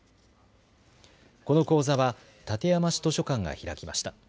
この講座は館山市図書館が開きました。